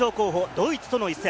ドイツとの一戦。